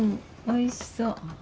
おいしそう。